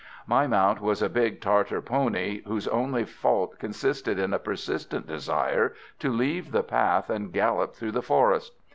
My mount was a big Tartar pony, whose only fault consisted in a persistent desire to leave the path and gallop through the forest.